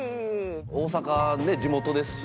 大阪ね地元ですし。